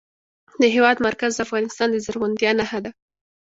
د هېواد مرکز د افغانستان د زرغونتیا نښه ده.